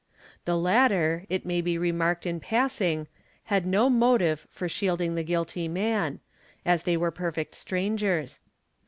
The : latter, 14 may be remarked in passing, had no motive for shielding the guilty man, as they were perfect strangers.